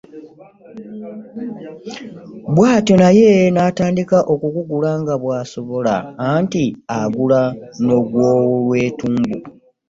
Bw'atyo naye n'atandika okugugula nga bw'asobola anti agula n'ogw'olwetumbu.